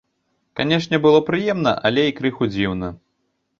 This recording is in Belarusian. Канешне, было прыемна, але і крыху дзіўна.